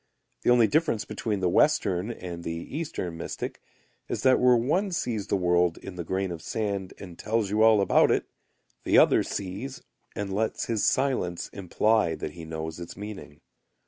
The only difference between the Western and the Eastern mystic is that where one sees the world in the grain of sand and tells you all about it, the other sees and lets his silence imply that he knows its meaning.